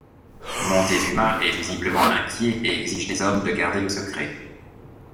Moctezuma est visiblement inquiet et exige des hommes de garder le secret.